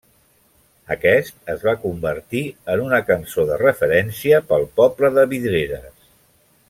Aquest es va convertir en una cançó de referència pel poble de Vidreres.